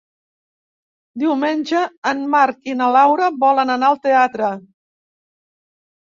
Diumenge en Marc i na Laura volen anar al teatre.